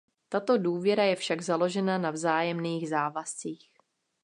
Tato důvěra je však založena na vzájemných závazcích.